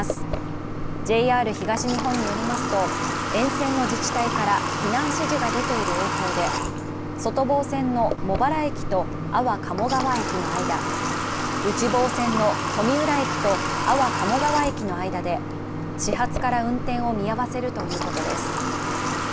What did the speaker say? ＪＲ東日本によりますと、沿線の自治体から避難指示が出ている影響で、外房線の茂原駅と安房鴨川駅の間、内房線の富浦駅と安房鴨川駅の間で、始発から運転を見合わせるということです。